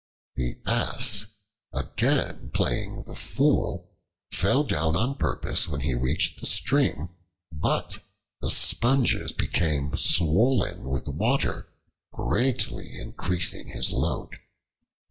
The Ass, again playing the fool, fell down on purpose when he reached the stream, but the sponges became swollen with water, greatly increasing his load.